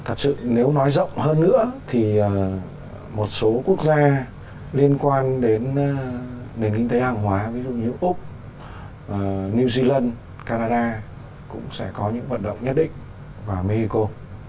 thật sự nếu nói rộng hơn nữa thì một số quốc gia liên quan đến nền kinh tế hàng hóa ví dụ như úc new zealand canada cũng sẽ có những vận động nhất định vào mexico